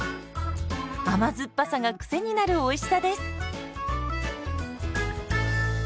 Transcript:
甘酸っぱさがクセになるおいしさです。